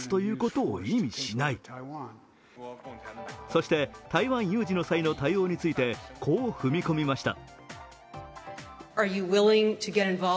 そして、台湾有事の際の対応についてこう踏み込みました。